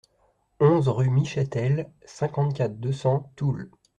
onze rue Michâtel, cinquante-quatre, deux cents, Toul